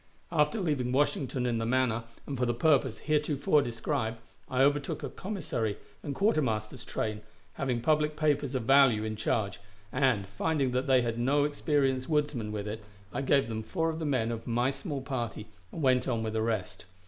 After leaving Washington in the manner and for the purpose heretofore described, I overtook a commissary and quartermaster's train, having public papers of value in charge, and, finding that they had no experienced woodsman with it, I gave them four of the men of my small party, and went on with the rest.